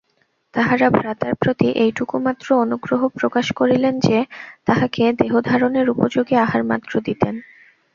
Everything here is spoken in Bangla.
তাঁহারা ভ্রাতার প্রতি এইটুকুমাত্র অনুগ্রহ প্রকাশ করিলেন যে, তাঁহাকে দেহধারণের উপযোগী আহারমাত্র দিতেন।